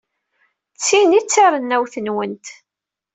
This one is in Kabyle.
D tin ay d tarennawt-nwent.